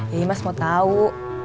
ya imas mau tau